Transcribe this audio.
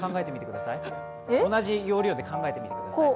同じ要領で考えてみてください。